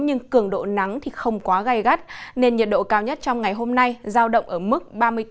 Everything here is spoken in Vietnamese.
nhưng cường độ nắng thì không quá gai gắt nên nhiệt độ cao nhất trong ngày hôm nay giao động ở mức ba mươi bốn